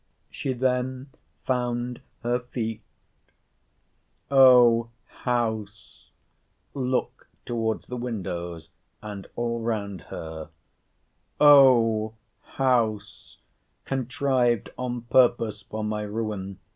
She then found her feet—O house [look towards the windows, and all round her, O house,] contrived on purpose for my ruin!